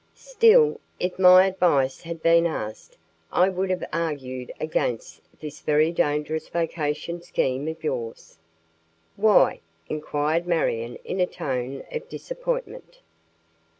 "Still, if my advice had been asked, I would have argued against this very dangerous vacation scheme of yours." "Why?" inquired Marion in a tone of disappointment.